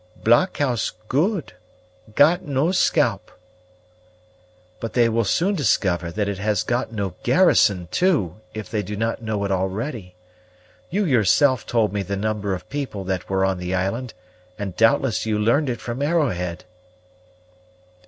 "Blockhouse good got no scalp." "But they will soon discover that it has got no garrison too, if they do not know it already. You yourself told me the number of people that were on the island, and doubtless you learned it from Arrowhead."